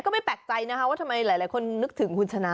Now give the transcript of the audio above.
ก็ไม่แปลกใจนะที่ทุกคนทำไมนึกถึงคุณชนะ